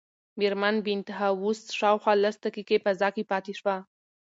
مېرمن بینتهاوس شاوخوا لس دقیقې فضا کې پاتې شوه.